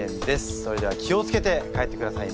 それでは気を付けて帰ってくださいね。